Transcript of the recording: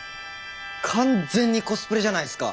完全にコスプレじゃないすか。